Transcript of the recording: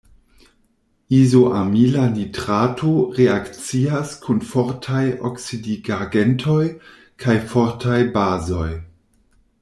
Izoamila nitrato reakcias kun fortaj oksidigagentoj kaj fortaj bazoj.